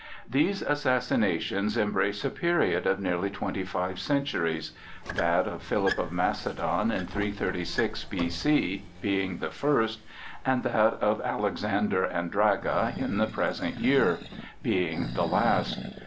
These assassinations embrace a period of nearly twenty five centuries,—that of Philip of Macedon, in 336 B.C., being the first, and that of Alexander and Draga, in the present year, being the last.